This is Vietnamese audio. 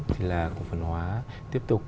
thì là cổ phần hóa tiếp tục